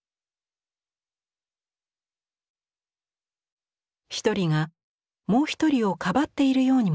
ひとりがもうひとりをかばっているようにも見えます。